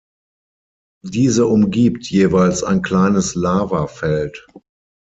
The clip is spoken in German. Diese umgibt jeweils ein kleines Lavafeld.